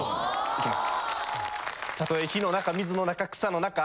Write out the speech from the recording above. いきます。